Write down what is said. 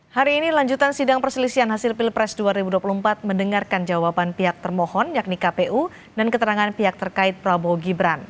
hari ini lanjutan sidang perselisihan hasil pilpres dua ribu dua puluh empat mendengarkan jawaban pihak termohon yakni kpu dan keterangan pihak terkait prabowo gibran